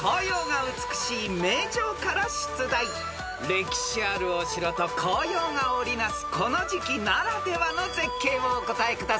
［歴史あるお城と紅葉が織りなすこの時期ならではの絶景をお答えください］